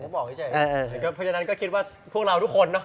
เพราะฉะนั้นก็คิดว่าพวกเราทุกคนเนาะ